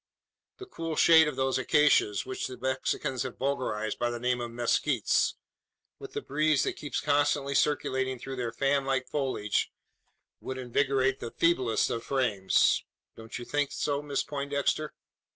The cool shade of these acacias which the Mexicans have vulgarised by the name of mezquites with the breeze that keeps constantly circulating through their fan like foliage, would invigorate the feeblest of frames. Don't you think so, Miss Poindexter?"